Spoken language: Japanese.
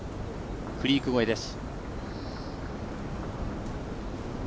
クリーク越えです。